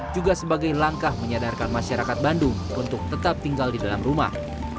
juga sebagai langkah menyadarkan masyarakat bandung untuk tetap tinggal di dalam rumah